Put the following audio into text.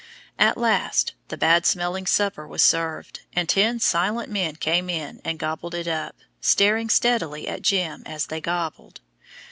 At last the bad smelling supper was served, and ten silent men came in and gobbled it up, staring steadily at "Jim" as they gobbled.